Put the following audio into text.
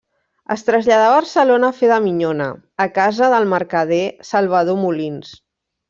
Es traslladà a Barcelona a fer de minyona, a casa del mercader Salvador Molins.